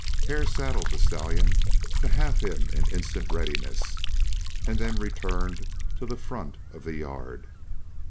Hare saddled the stallion to have him in instant readiness, and then returned to the front of the yard.